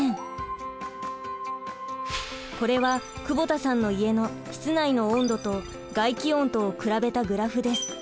これは久保田さんの家の室内の温度と外気温とを比べたグラフです。